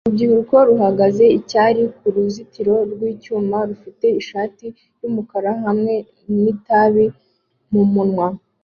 Urubyiruko ruhagaze icyari kuruzitiro rwicyuma rufite ishati yumukara hamwe n itabi mumunwa